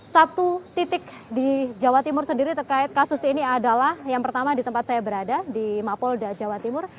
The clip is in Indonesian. satu titik di jawa timur sendiri terkait kasus ini adalah yang pertama di tempat saya berada di mapolda jawa timur